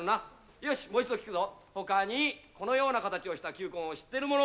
よし、もう一度聞くぞ、ほかに、このような形をした球根を知っている者？